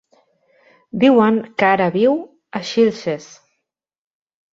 Diuen que ara viu a Xilxes.